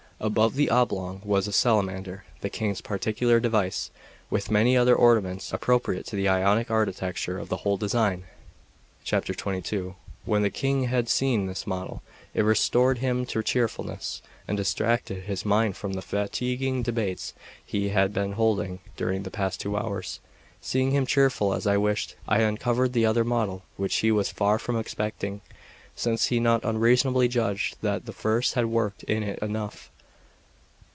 Above the oblong was a salamander, the King's particular device, with many other ornaments appropriate to the Ionic architecture of the whole design. Note 1. Cellini refers to the renewal of hostilities in May 1542. XXII WHEN the King had seen this model, it restored him to cheerfulness, and distracted his mind from the fatiguing debates he had been holding during the past two hours. Seeing him cheerful as I wished, I uncovered the other model, which he was far from expecting, since he not unreasonably judged that the first had work in it enough.